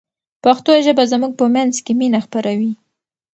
پښتو ژبه زموږ په منځ کې مینه خپروي.